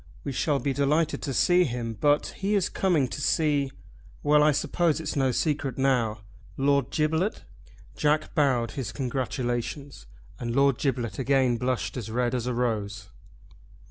We shall be delighted to see him; but he is coming to see . Well I suppose it's no secret now, Lord Giblet?" Jack bowed his congratulations, and Lord Giblet again blushed as red as a rose.